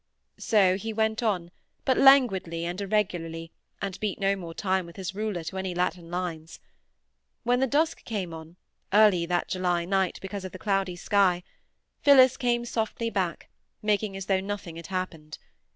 So he went on, but languidly and irregularly, and beat no more time with his ruler to any Latin lines. When the dusk came on, early that July night because of the cloudy sky, Phillis came softly back, making as though nothing had happened.